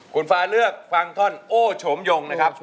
คุณฟ้าเลือกฟังท่อนโอ้โฉมยงนะครับ